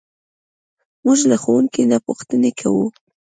موږ له ښوونکي نه پوښتنې کوو.